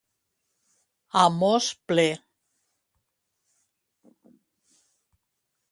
A mos ple.